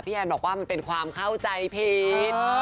แอนบอกว่ามันเป็นความเข้าใจผิด